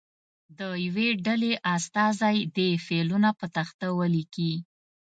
د یوې ډلې استازی دې فعلونه په تخته ولیکي.